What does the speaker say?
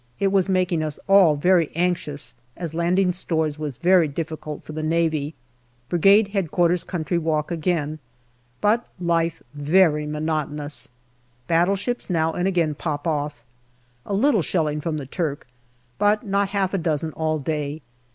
It was making us all very anxious, as landing stores was very difficult for the Navy. Brigade H.Q. country walk again. But life very monotonous. Battleships now ancj again pop off. A little shelling from the Turk, but not half a dozen all day.